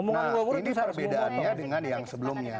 nah ini perbedaannya dengan yang sebelumnya